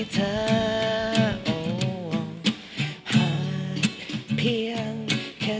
ขอบคุณค่ะ